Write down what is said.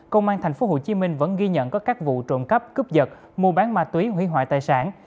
công an tp hcm vẫn ghi nhận có các vụ trộm cắp cướp giật mua bán ma túy hủy hoại tài sản